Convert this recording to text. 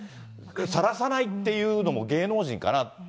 さらさないっていうのも芸能人かなって。